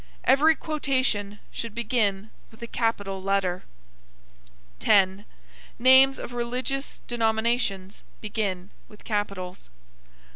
Every quotation should begin with a capital letter. 10. Names of religious denominations begin with capitals.